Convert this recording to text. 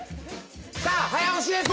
さぁ早押しです！